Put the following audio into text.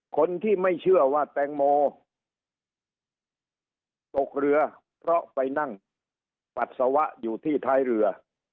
คนที่ไม่เชื่อว่าแตงโมตกเรือเพราะไปนั่งปัสสาวะอยู่ที่ท้ายเรือ